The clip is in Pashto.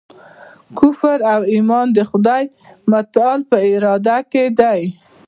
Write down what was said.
کفر او ایمان د حق متعال په اراده کي دی.